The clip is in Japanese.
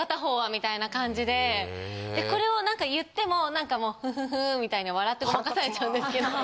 みたいな感じでこれをなんか言っても何かもうフフフみたいに笑ってごまかされちゃうんですけれども。